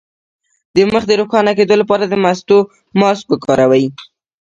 د مخ د روښانه کیدو لپاره د مستو ماسک وکاروئ